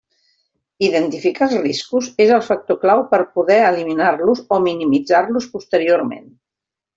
Identificar els riscos és el factor clau per poder eliminar-los o minimitzar-los posteriorment.